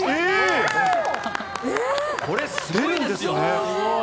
これ、すごいんですよ。